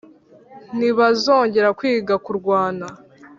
ntibazongera kwiga kurwana